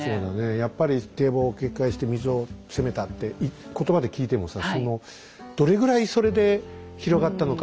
やっぱり堤防を決壊して水を攻めたって言葉で聞いてもさどれぐらいそれで広がったのか。